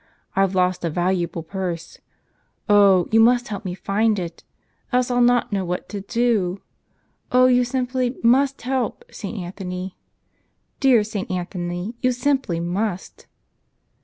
I've lost a valuable purse. Oh, you must help me find it. Else I'll not know what to do. Oh, you simply must help, St. Anthony; dear St. Anthony, you simply must!"